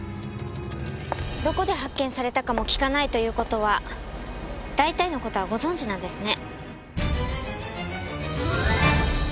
どこで発見されたかも聞かないという事は大体の事はご存じなんですね。